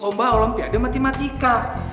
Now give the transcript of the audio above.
omba olem tiade matematika